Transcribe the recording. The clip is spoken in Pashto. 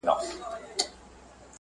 مهم نقش لري